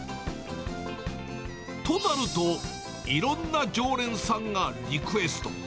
となると、いろんな常連さんがリクエスト。